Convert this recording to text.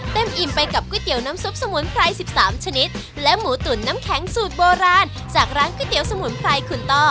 อิ่มไปกับก๋วยเตี๋ยวน้ำซุปสมุนไพร๑๓ชนิดและหมูตุ๋นน้ำแข็งสูตรโบราณจากร้านก๋วยเตี๋ยวสมุนไพรคุณต้อ